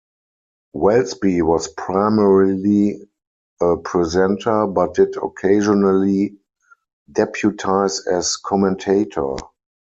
Welsby was primarily a presenter, but did occasionally deputise as commentator.